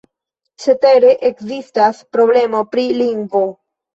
Cetere, ekzistas problemo pri lingvo.